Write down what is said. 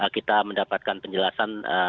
kita mendapatkan penjelasan